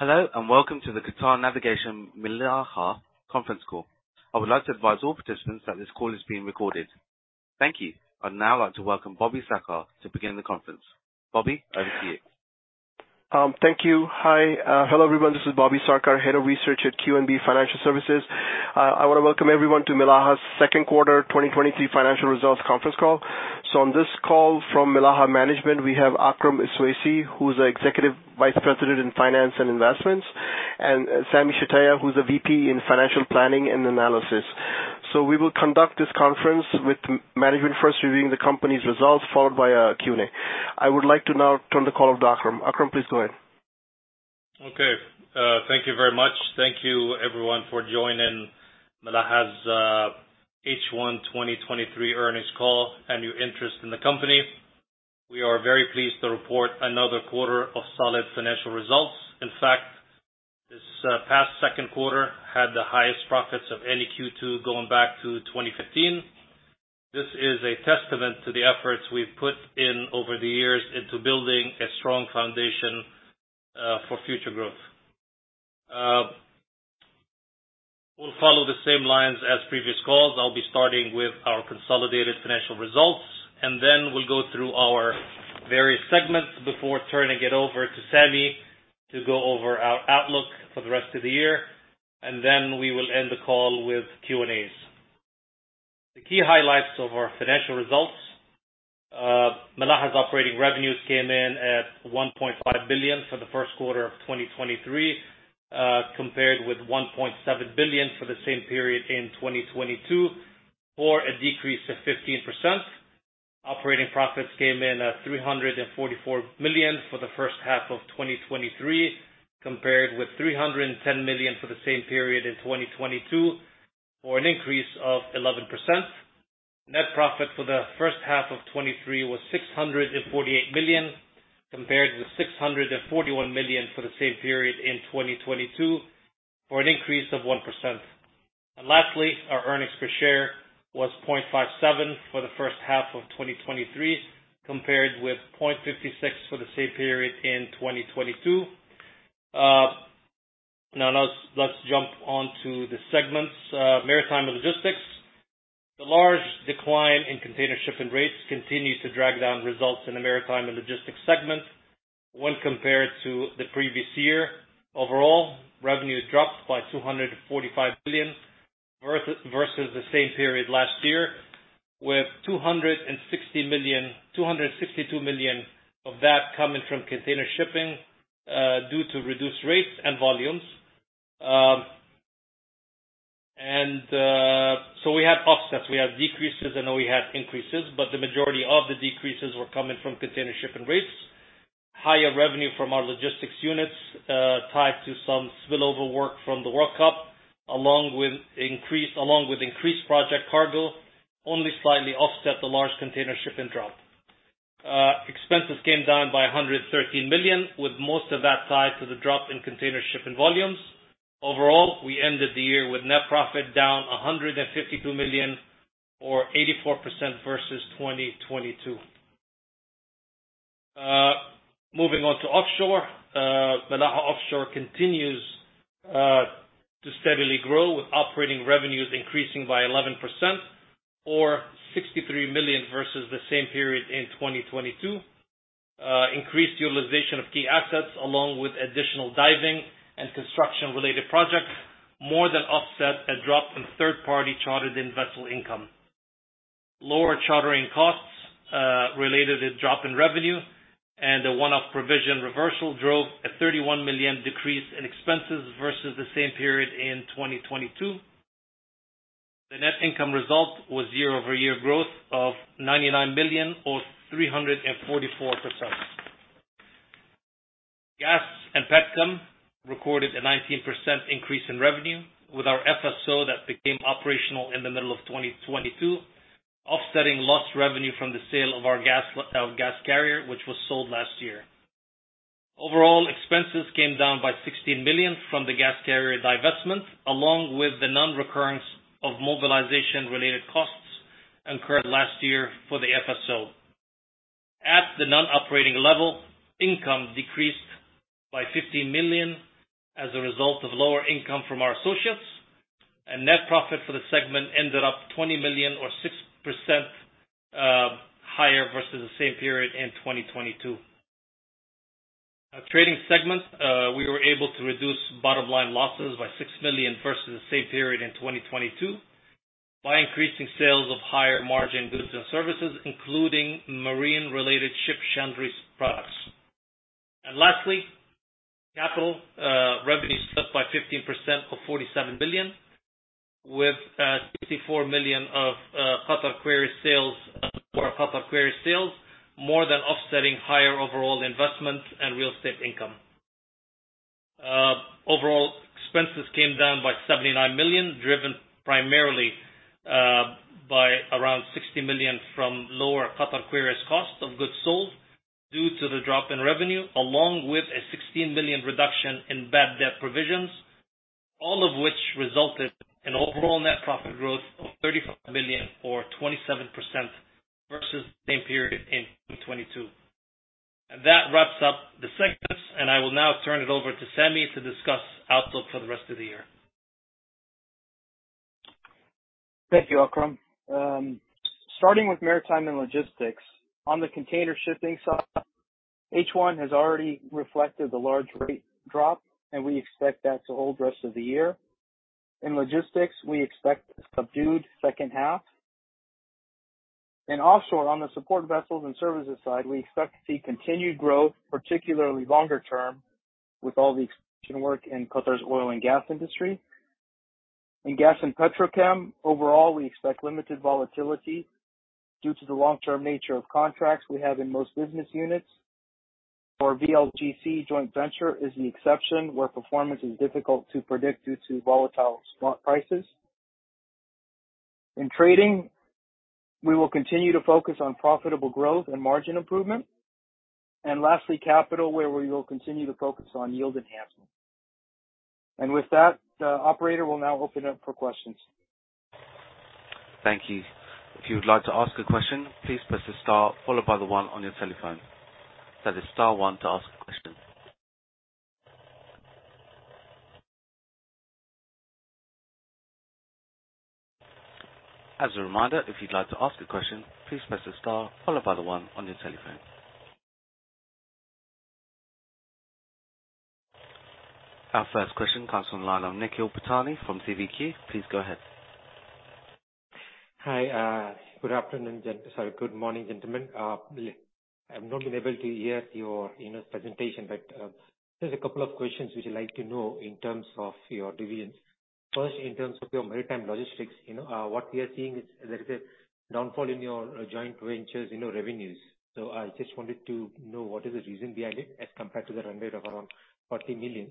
Hello, welcome to the Qatar Navigation Milaha Conference Call. I would like to advise all participants that this call is being recorded. Thank you. I'd now like to welcome Bobby Sarkar to begin the conference. Bobby, over to you. Thank you. Hi. Hello, everyone. This is Bobby Sarkar, Head of Research at QNB Financial Services. I wanna welcome everyone to Milaha's second quarter 2023 financial results conference call. On this call from Milaha management, we have Akram Iswaisi, who's the Executive Vice President in Finance and Investments, and Sami Shtayyeh, who's a VP in Financial Planning and Analysis. We will conduct this conference with management first reviewing the company's results, followed by a Q&A. I would like to now turn the call over to Akram. Akram, please go ahead. Okay. Thank you very much. Thank you everyone for joining Milaha's H1 2023 earnings call, and your interest in the company. We are very pleased to report another quarter of solid financial results. In fact, this past second quarter had the highest profits of any Q2, going back to 2015. This is a testament to the efforts we've put in over the years into building a strong foundation for future growth. We'll follow the same lines as previous calls. I'll be starting with our consolidated financial results, and then we'll go through our various segments before turning it over to Sami to go over our outlook for the rest of the year, and then we will end the call with Q&As. The key highlights of our financial results. Milaha's operating revenues came in at 1.5 billion for the first quarter of 2023, compared with 1.7 billion for the same period in 2022, or a decrease of 15%. Operating profits came in at 344 million for the first half of 2023, compared with 310 million for the same period in 2022, or an increase of 11%. Net profit for the first half of 2023 was 648 million, compared to 641 million for the same period in 2022, for an increase of 1%. Our earnings per share was 0.57 for the first half of 2023, compared with 0.56 for the same period in 2022. Let's, let's jump on to the segments. maritime and logistics. The large decline in container shipping rates continues to drag down results in the maritime and logistics segment when compared to the previous year. Overall, revenues dropped by 245 billion, versus the same period last year, with 260 million... 262 million of that coming from container shipping, due to reduced rates and volumes. We had offsets. We had decreases, and we had increases, but the majority of the decreases were coming from container shipping rates. Higher revenue from our logistics units, tied to some spillover work from the World Cup, along with increased, along with increased project cargo, only slightly offset the large container shipping drop. Expenses came down by 113 million, with most of that tied to the drop in container shipping volumes. Overall, we ended the year with net profit down 152 million or 84% versus 2022. Moving on to offshore. Milaha Offshore continues to steadily grow, with operating revenues increasing by 11% or 63 million versus the same period in 2022. Increased utilization of key assets, along with additional diving and construction-related projects, more than offset a drop in third-party chartered and vessel income. Lower chartering costs, related to drop in revenue and a one-off provision reversal drove a QAR 31 million decrease in expenses versus the same period in 2022. The net income result was year-over-year growth of 99 million, or 344%. Gas and Petrochem recorded a 19% increase in revenue, with our FSO that became operational in the middle of 2022, offsetting lost revenue from the sale of our gas, our gas carrier, which was sold last year. Overall, expenses came down by 16 million from the gas carrier divestment, along with the non-recurrence of mobilization-related costs incurred last year for the FSO. At the non-operating level, income decreased by 15 million as a result of lower income from our associates, and net profit for the segment ended up 20 million or 6% higher versus the same period in 2022. Our trading segment, we were able to reduce bottom-line losses by 6 million versus the same period in 2022 by increasing sales of higher-margin goods and services, including marine-related ship chandlery products. Lastly, capital revenues stood by 15% of 47 billion, with 64 million of Qatar Quarries sales, for our Qatar Quarries sales, more than offsetting higher overall investments and real estate income. Overall expenses came down by 79 million, driven primarily by around 60 million from lower Qatar Quarries's cost of goods sold due to the drop in revenue, along with a 16 million reduction in bad debt provisions. All of which resulted in overall net profit growth of 35 million, or 27%, versus the same period in 2022. That wraps up the segments, and I will now turn it over to Sammy to discuss outlook for the rest of the year. Thank you, Akram. Starting with maritime and logistics. On the container shipping side, H1 has already reflected the large rate drop, and we expect that to hold the rest of the year. In logistics, we expect a subdued second half. In offshore, on the support vessels and services side, we expect to see continued growth, particularly longer term, with all the expansion work in Qatar's oil and gas industry. In Gas and Petrochem, overall, we expect limited volatility due to the long-term nature of contracts we have in most business units. Our VLGC joint venture is the exception, where performance is difficult to predict due to volatile spot prices. In trading, we will continue to focus on profitable growth and margin improvement. Lastly, capital, where we will continue to focus on yield enhancement. With that, the operator will now open up for questions. Thank you. If you would like to ask a question, please press the star followed by the one on your telephone. That is star one to ask a question. As a reminder, if you'd like to ask a question, please press the star followed by the one on your telephone. Our first question comes from the line of Nikhil Patani from CBQ. Please go ahead. Hi, good afternoon, sorry, good morning, gentlemen. I've not been able to hear your, you know, presentation, but there's a couple of questions which I'd like to know in terms of your divisions. First, in terms of your maritime logistics, you know, what we are seeing is there is a downfall in your joint ventures, you know, revenues. I just wanted to know, what is the reason behind it, as compared to the run rate of around 40 million.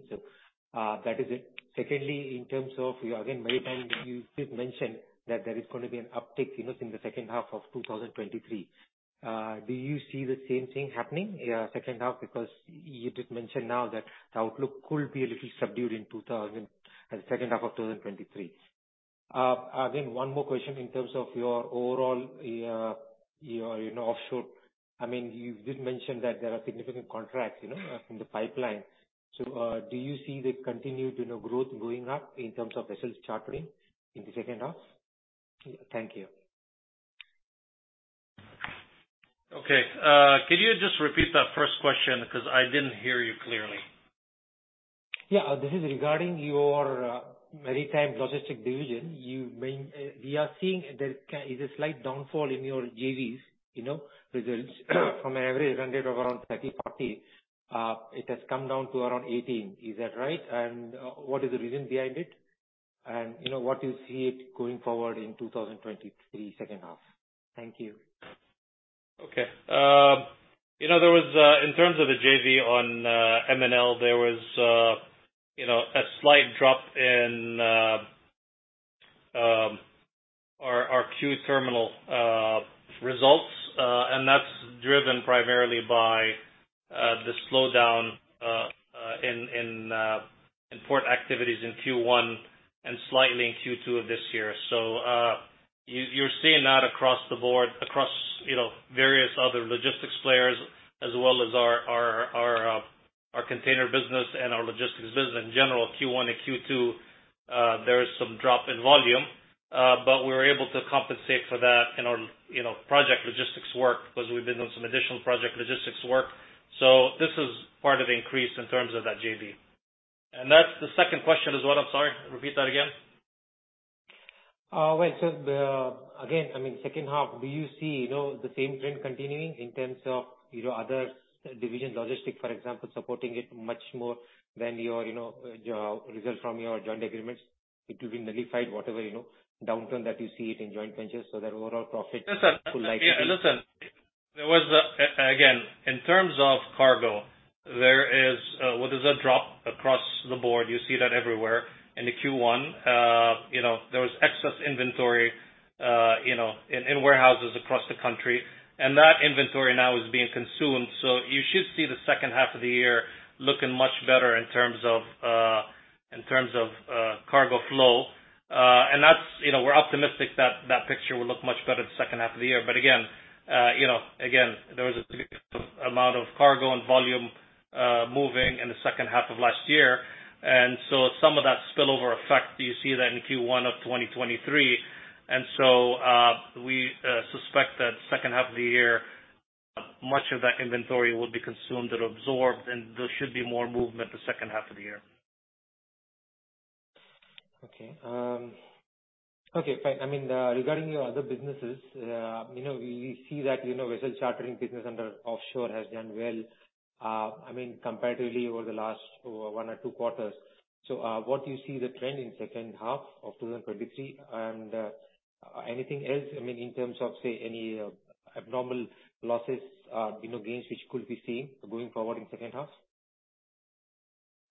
That is it. Secondly, in terms of your, again, maritime, you did mention that there is going to be an uptick, you know, in the second half of 2023. Do you see the same thing happening in second half? Because you did mention now that the outlook could be a little subdued in 2000... The second half of 2023. Again, one more question in terms of your overall, your, you know, offshore. I mean, you did mention that there are significant contracts, you know, in the pipeline. Do you see the continued, you know, growth going up in terms of vessel chartering in the second half? Thank you. Okay. Could you just repeat that first question? Because I didn't hear you clearly. Yeah. This is regarding your maritime logistics division. We are seeing there is a slight downfall in your JVs, you know, results from an average run rate of around 30, 40, it has come down to around 18. Is that right? What is the reason behind it? You know, what do you see it going forward in 2023, second half? Thank you. Okay. You know, in terms of the JV on MNL, there was, you know, a slight drop in our QTerminals results, and that's driven primarily by the slowdown in port activities in Q1 and slightly in Q2 of this year. You're seeing that across the board, across, you know, various other logistics players, as well as our container business and our logistics business. In general, Q1 and Q2, there is some drop in volume, but we were able to compensate for that in our, you know, project logistics work, because we've been doing some additional project logistics work. This is part of the increase in terms of that JV. That's the second question as well? I'm sorry. Repeat that again. Well, so the, again, I mean, second half, do you see, you know, the same trend continuing in terms of, you know, other divisions, logistics, for example, supporting it much more than your, you know, your results from your joint agreements? It will be nullified, whatever, you know, downturn that you see it in joint ventures, their overall profit. Listen. will likely Yeah, listen. Again, in terms of cargo, there is, well, there's a drop across the board. You see that everywhere. In the Q1, you know, there was excess inventory, you know, in, in warehouses across the country, and that inventory now is being consumed. You should see the second half of the year looking much better in terms of, in terms of cargo flow. That's, you know, we're optimistic that that picture will look much better the second half of the year. Again, you know, again, there was a significant amount of cargo and volume moving in the second half of last year, some of that spillover effect, you see that in Q1 of 2023. We suspect that second half of the year, much of that inventory will be consumed or absorbed, and there should be more movement the second half of the year. Okay. Okay, fine. I mean, regarding your other businesses, you know, we see that, you know, vessel chartering business under Offshore has done well, I mean, comparatively over the last one or two quarters. What do you see the trend in second half of 2023? Anything else, I mean, in terms of, say, any abnormal losses, you know, gains which could be seen going forward in second half?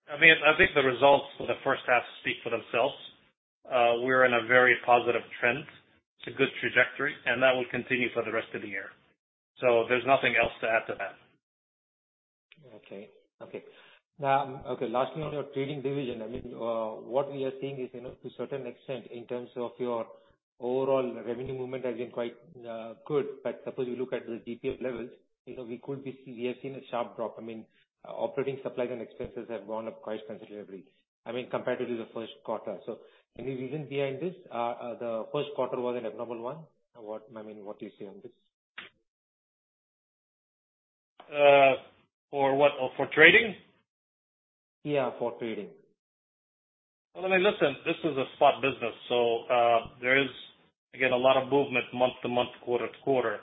I mean, I think the results for the first half speak for themselves. We're in a very positive trend. It's a good trajectory, and that will continue for the rest of the year. There's nothing else to add to that. Okay, okay. Now, okay, lastly, on your trading division, I mean, what we are seeing is, you know, to a certain extent, in terms of your overall revenue movement has been quite good. Suppose you look at the GP levels, you know, we have seen a sharp drop. I mean, operating supplies and expenses have gone up quite considerably, I mean, compared to the first quarter. Any reason behind this? The first quarter was an abnormal one. I mean, what do you say on this? for what? Oh, for trading? Yeah, for trading. Well, I mean, listen, this is a spot business, so there is, again, a lot of movement month to month, quarter to quarter.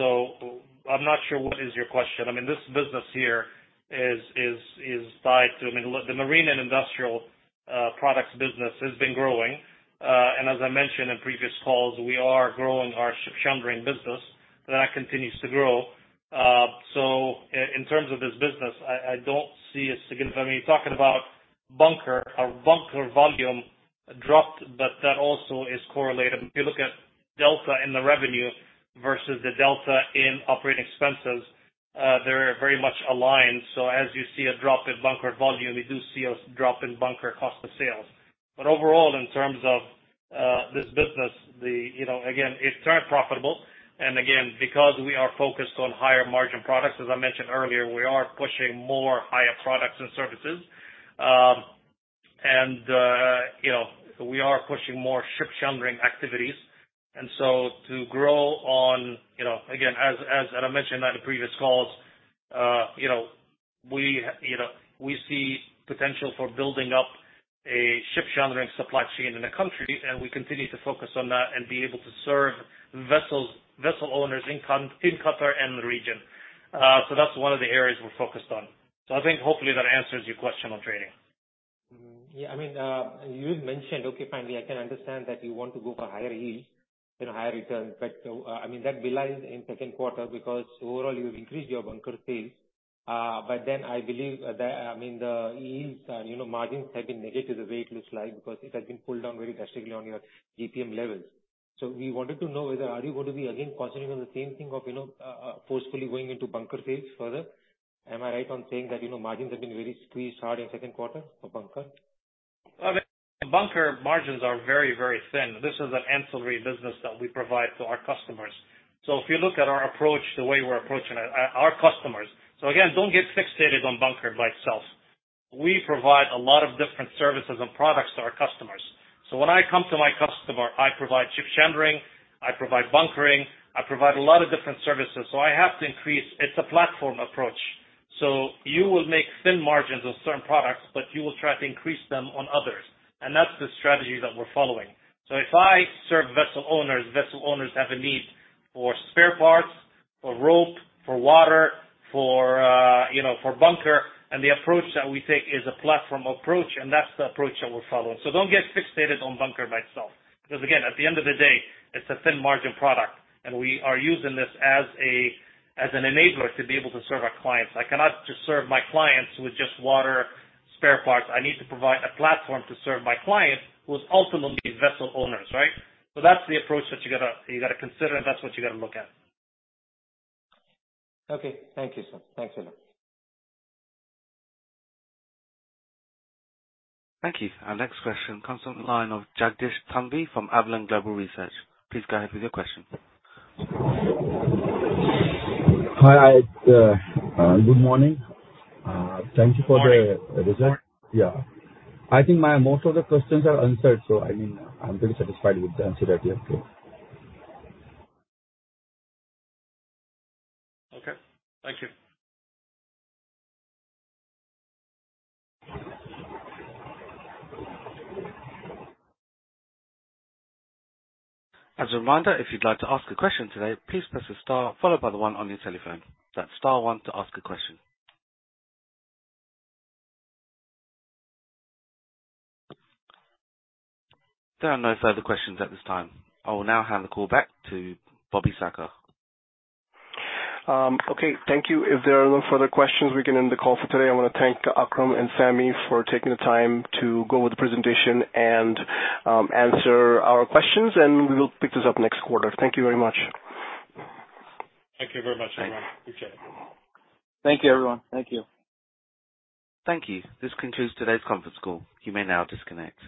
I'm not sure what is your question. I mean, this business here is, is, is tied to... I mean, the, the marine and industrial products business has been growing. As I mentioned in previous calls, we are growing our ship chandlery business. That continues to grow. In terms of this business, I, I don't see a significant- I mean, you're talking about bunker. Our bunker volume dropped, but that also is correlated. If you look at delta in the revenue versus the delta in operating expenses, they're very much aligned. As you see a drop in bunker volume, we do see a drop in bunker cost of sales. Overall, in terms of this business. You know, again, it's not profitable. Again, because we are focused on higher margin products, as I mentioned earlier, we are pushing more higher products and services. You know, we are pushing more ship chandlery activities. So to grow on, you know, again, as, as, and I mentioned on the previous calls, you know, we, you know, we see potential for building up a ship chandlery supply chain in the country, and we continue to focus on that and be able to serve vessels, vessel owners in Qatar and the region. That's one of the areas we're focused on. I think hopefully that answers your question on trading. Yeah. I mean, you've mentioned, okay, finally, I can understand that you want to go for higher yield, you know, higher returns. I mean, that belies in second quarter because overall, you've increased your bunker sales. I believe the, I mean, the yields and, you know, margins have been negative, the way it looks like, because it has been pulled down very drastically on your EPM levels. We wanted to know whether are you going to be again concentrating on the same thing of, you know, forcefully going into bunker sales further? Am I right on saying that, you know, margins have been very squeezed hard in second quarter for bunker? I mean, bunker margins are very, very thin. This is an ancillary business that we provide to our customers. If you look at our approach, the way we're approaching it. Again, don't get fixated on bunker by itself. We provide a lot of different services and products to our customers. When I come to my customer, I provide ship chandlery, I provide bunkering, I provide a lot of different services. I have to increase. It's a platform approach. You will make thin margins on certain products, but you will try to increase them on others, and that's the strategy that we're following. If I serve vessel owners, vessel owners have a need for spare parts, for rope, for water, for, you know, for bunker. The approach that we take is a platform approach, and that's the approach that we're following. Don't get fixated on bunker by itself, because again, at the end of the day, it's a thin margin product, and we are using this as a, as an enabler to be able to serve our clients. I cannot just serve my clients with just water, spare parts. I need to provide a platform to serve my clients, who is ultimately vessel owners, right? That's the approach that you gotta, you gotta consider, and that's what you gotta look at. Okay. Thank you, sir. Thanks a lot. Thank you. Our next question comes from the line of Jagdish Thambi from Avillent Global Research. Please go ahead with your question. Hi, good morning. Thank you for the result. Yeah. I think my most of the questions are answered, so, I mean, I'm pretty satisfied with the answer that you have given. Okay. Thank you. As a reminder, if you'd like to ask a question today, please press star followed by the one on your telephone. That's star one to ask a question. There are no further questions at this time. I will now hand the call back to Bobby Sarkar. Okay, thank you. If there are no further questions, we can end the call for today. I want to thank Akram and Sammy for taking the time to go over the presentation and answer our questions. We will pick this up next quarter. Thank you very much. Thank you very much, everyone. Appreciate it. Thank you, everyone. Thank you. Thank you. This concludes today's conference call. You may now disconnect.